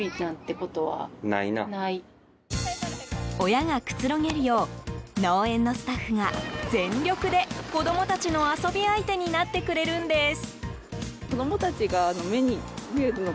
親がくつろげるよう農園のスタッフが全力で子供たちの遊び相手になってくれるんです。